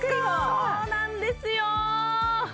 そうなんですよ！